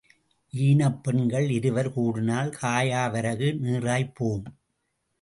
ஈனாப் பெண்கள் இருவர் கூடினால் காயா வரகு நீறாய்ப் போம்.